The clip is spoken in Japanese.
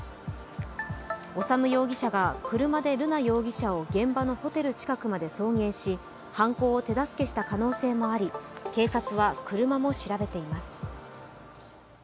修容疑者が車で瑠奈容疑者を現場のホテル近くまで送迎し犯行を手助けした可能性もあり警察は車も調べています。